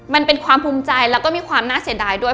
มันเป็นความภูมิใจแล้วก็มีความน่าเสียดายด้วย